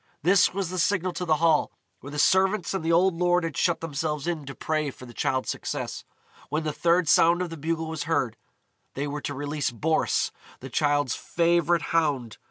This was the signal to the Hall, where the servants and the old lord had shut themselves in to pray for the Childe's success. When the third sound of the bugle was heard, they were to release Boris, the Childe's favourite hound.